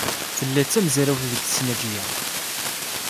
Tella d tamezrawt deg tesnajya.